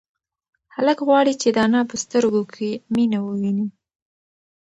هلک غواړي چې د انا په سترگو کې مینه وویني.